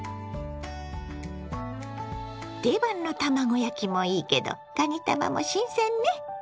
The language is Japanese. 定番の卵焼きもいいけどかにたまも新鮮ね。